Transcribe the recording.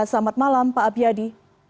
selamat malam pak apiyadi